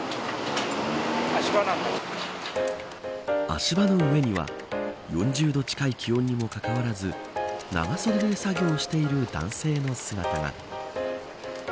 足場の上には４０度近い気温にもかかわらず長袖で作業している男性の姿が。